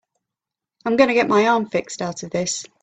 I'm gonna get my arm fixed out of this.